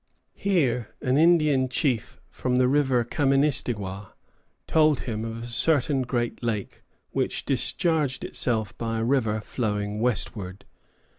Here an Indian chief from the River Kaministiguia told him of a certain great lake which discharged itself by a river flowing westward.